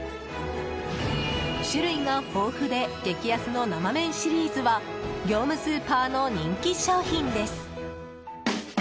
種類が豊富で激安の生麺シリーズは業務スーパーの人気商品です。